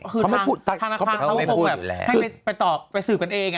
คือทางธนาคารเขาก็พูดแบบให้ไปตอบไปสืบกันเอง